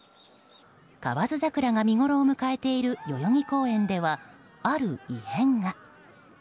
河津桜が見ごろを迎えている代々木公園では、ある異変が。